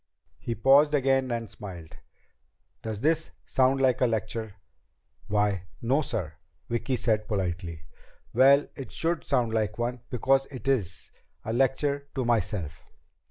He paused again and smiled. "Does this sound like a lecture?" "Why no, sir," Vicki said politely. "Well, it should sound like one because it is. A lecture to myself."